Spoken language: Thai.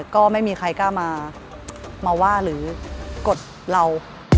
ก็ไม่มีใครกล้ามาว่าหรือกดเรา